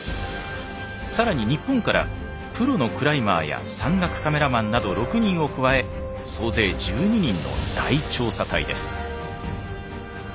さらに日本からプロのクライマーや山岳カメラマンなど６人を加え総勢１２人の大調査隊です。